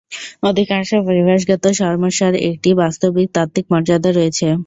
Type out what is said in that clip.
অধিকাংশ পরিবেশগত সমস্যার একটি বাস্তবিক তাত্ত্বিক মর্যাদা রয়েছে।